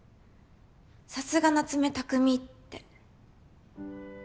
さすが夏目匠って。